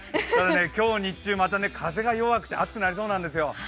今日、日中また風が弱くて暑くなりそうなんですよ。